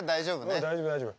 うん大丈夫大丈夫。